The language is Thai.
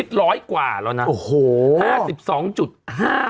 พี่โอ๊คบอกว่าเขินถ้าต้องเป็นเจ้าภาพเนี่ยไม่ไปร่วมงานคนอื่นอะได้